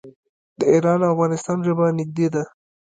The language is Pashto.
د ایران او افغانستان ژبه نږدې ده.